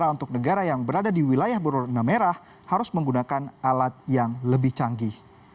untuk negara yang berada di wilayah berwarna merah harus menggunakan alat yang lebih canggih